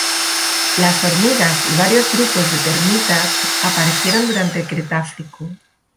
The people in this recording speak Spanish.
Las hormigas y varios grupos de termitas aparecieron durante el Cretácico.